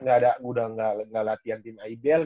gak ada gak latihan tim ibl